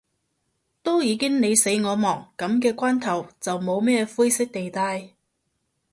都已經你死我亡，噉嘅關頭，就冇咩灰色地帶